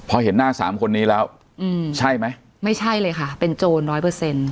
พอเห็นหน้าสามคนนี้แล้วอืมใช่ไหมไม่ใช่เลยค่ะเป็นโจรร้อยเปอร์เซ็นต์